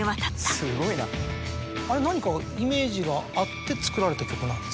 あれ何かイメージがあって作られた曲なんですか？